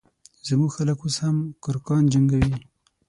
زموږ خلک اوس هم کرکان جنګوي